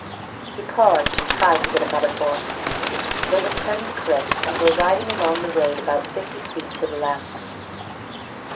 He paused and tried to get a metaphor. They had turned the cliff and were riding along the road about fifty feet to the left.